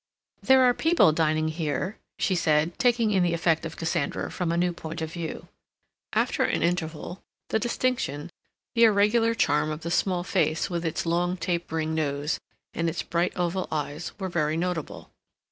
"There are people dining here," she said, taking in the effect of Cassandra from a new point of view. After an interval, the distinction, the irregular charm, of the small face with its long tapering nose and its bright oval eyes were very notable.